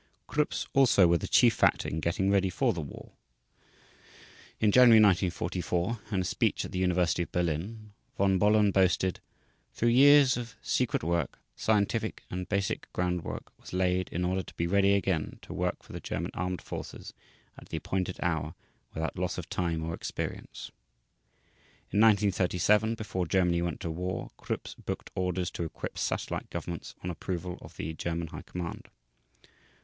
Krupps also were the chief factor in getting ready for the war. In January 1944, in a speech at the University of Berlin, Von Bohlen boasted, "Through years of secret work, scientific and basic groundwork was laid in order to be ready again to work for the German Armed Forces at the appointed hour without loss of time or experience." In 1937, before Germany went to war, Krupps booked orders to equip satellite governments on approval of the German High Command.